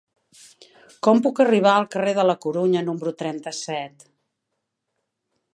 Com puc arribar al carrer de la Corunya número trenta-set?